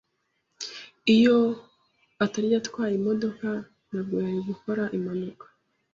Iyo atarya atwaye imodoka, ntabwo yari gukora impanuka.